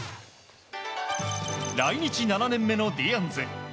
来日７年目のディアンズ。